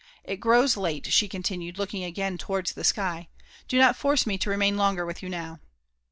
It grows late," she continued, looking again towards the sky; '' do not force me to remain longer with you now."